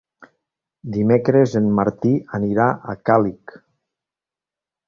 Dimecres en Martí anirà a Càlig.